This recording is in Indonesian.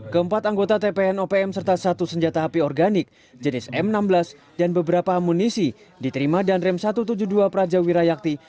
keempat anggota tpn opm serta satu senjata api organik jenis m enam belas dan beberapa amunisi diterima dan rem satu ratus tujuh puluh dua praja wirayakti